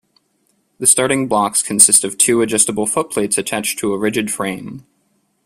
The starting blocks consist of two adjustable footplates attached to a rigid frame.